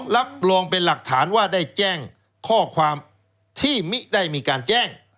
รับรองเป็นหลักฐานว่าได้แจ้งข้อความที่มิได้มีการแจ้ง